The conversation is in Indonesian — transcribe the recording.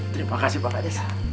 terima kasih pak kandis